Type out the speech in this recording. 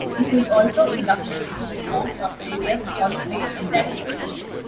He was also inducted into the Sport Australia Hall of Fame in that year.